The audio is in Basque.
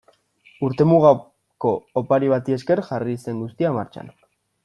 Urtemugako opari bati esker jarri zen guztia martxan.